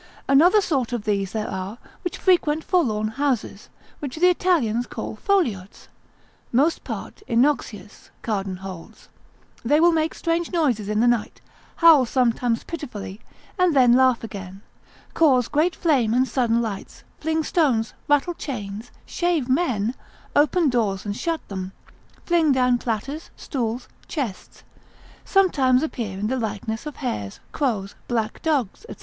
Another sort of these there are, which frequent forlorn houses, which the Italians call foliots, most part innoxious, Cardan holds; They will make strange noises in the night, howl sometimes pitifully, and then laugh again, cause great flame and sudden lights, fling stones, rattle chains, shave men, open doors and shut them, fling down platters, stools, chests, sometimes appear in the likeness of hares, crows, black dogs, &c.